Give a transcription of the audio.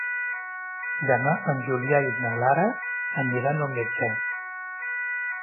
Demà en Julià i na Lara aniran al metge.